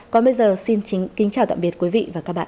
còn bây giờ xin kính chào tạm biệt quý vị và các bạn